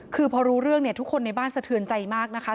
คือพอรู้เรื่องเนี่ยทุกคนในบ้านสะเทือนใจมากนะคะ